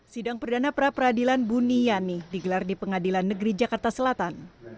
sidang perdana pra peradilan buniyani digelar di pengadilan negeri jakarta selatan